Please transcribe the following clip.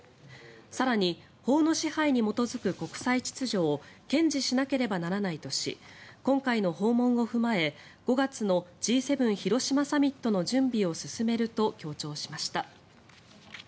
更に、法の支配に基づく国際秩序を堅持しなければならないとし今回の訪問を踏まえ５月のＧ７広島サミットの準備を進めると強調しました。